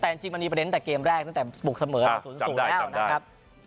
แต่จริงมันมีประเด็นตั้งแต่เกมแรกตั้งแต่บุกเสมอ๐๐แล้วนะครับ